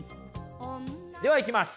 ではいきます。